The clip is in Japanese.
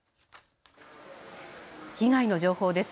被害の情報です。